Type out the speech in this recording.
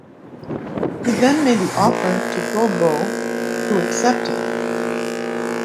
He then made the offer to Godbout, who accepted.